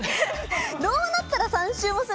どうなったら３周もするんですかね？